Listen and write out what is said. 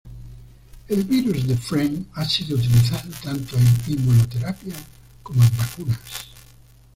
El virus de Friend ha sido utilizado tanto en inmunoterapia como en vacunas.